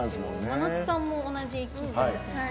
真夏さんも同じ１期生で。